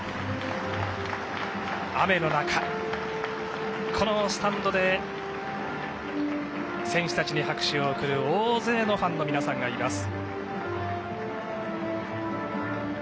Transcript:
雨の中、このスタンドへ選手たちへ拍手を送る大勢のファンの皆さんがいます。